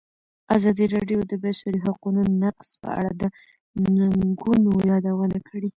ازادي راډیو د د بشري حقونو نقض په اړه د ننګونو یادونه کړې.